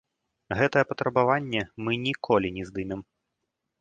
Гэтае патрабаванне мы ніколі не здымем.